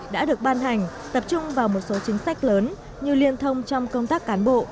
đã được ban hành tập trung vào một số chính sách lớn như liên thông trong công tác cán bộ